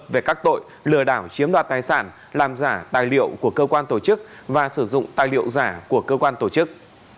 về các tội lừa đảo chiếm đoạt tài sản làm giả tài liệu của cơ quan tổ chức và sử dụng tài liệu giả của cơ quan tổ chức